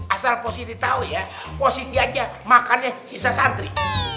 asal positi tau ya positi aja makannya kisah santri